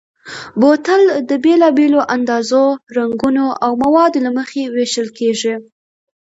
بوتل د بېلابېلو اندازو، رنګونو او موادو له مخې وېشل کېږي.